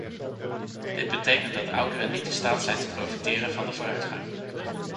Dit betekent dat ouderen niet in staat zijn te profiteren van de vooruitgang.